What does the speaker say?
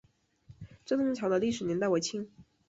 镇东桥的历史年代为清。